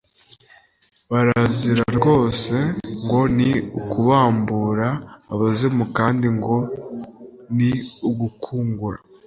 Birazira rwose ngo ni ukubambura abazimu kandi ngo ni ugukungura